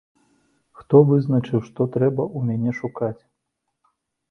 Хто вызначыў, што трэба ў мяне шукаць?